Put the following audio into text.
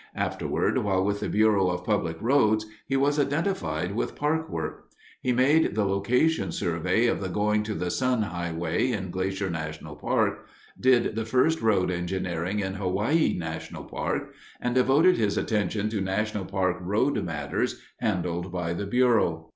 Afterward, while with the Bureau of Public Roads, he was identified with park work; he made the location survey of the Going to the Sun Highway in Glacier National Park, did the first road engineering in Hawaii National Park, and devoted his attention to national park road matters handled by the Bureau.